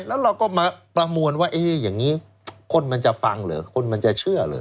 แล้วเราก็มาประมวลว่าอย่างนี้คนมันจะฟังเหรอคนมันจะเชื่อเหรอ